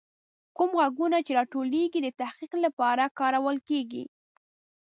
کوم غږونه چې راټولیږي، د تحقیق لپاره کارول کیږي.